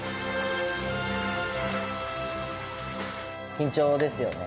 緊張ですよね。